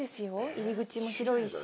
入り口も広いし。